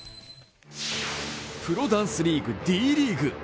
プロダンスリーグ、Ｄリーグ。